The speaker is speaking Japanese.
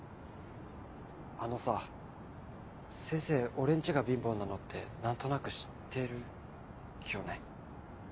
俺ん家が貧乏なのって何となく知ってるよね？